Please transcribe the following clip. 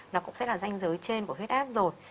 nó cũng sẽ là danh giới trên của huyết áp rồi